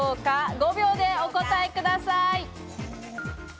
５秒でお答えください。